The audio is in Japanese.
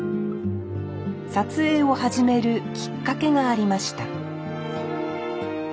撮影を始めるきっかけがありました